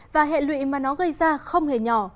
và hệ lụy mà nó gây ra không hề nhỏ